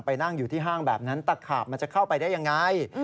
นั่งอยู่ที่ห้างแบบนั้นตะขาบมันจะเข้าไปได้ยังไง